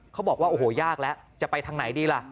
เขาบอกว่าโอ้โหยากแล้วจะไปทางไหนดีล่ะ